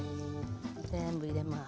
全部入れます。